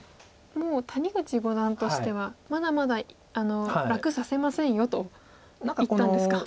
もう谷口五段としてはまだまだ楽させませんよと言ったんですか。